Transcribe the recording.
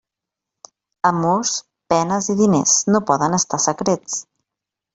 Amors, penes i diners, no poden estar secrets.